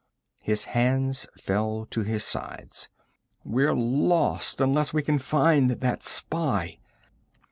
His hands fell to his sides. "We're lost, unless we can find that spy."